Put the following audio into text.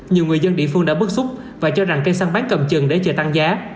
nhiều người dân địa phương đã bức xúc và cho rằng cây săn bán cầm chừng để chờ tăng giá